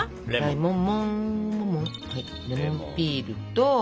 レモンピールと。